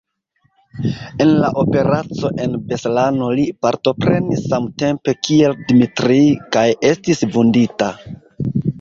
En la operaco en Beslano li partoprenis samtempe kiel Dmitrij kaj estis vundita.